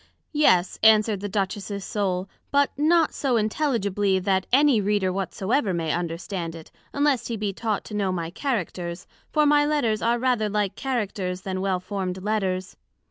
Yes, answered the Duchess's Soul, but not so intelligibly that any Reader whatsoever may understand it, unless he be taught to know my Characters; for my Letters are rather like Characters, then well formed Letters.